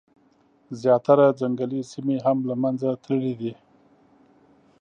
زیاتره ځنګلي سیمي هم له منځه تللي دي.